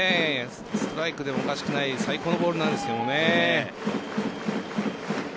ストライクでもおかしくない最高のボールなんですけどね。